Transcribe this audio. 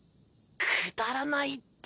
「くだらない」って。